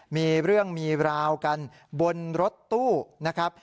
มีเรื่องมีราวกันบนรถตู้นะครับ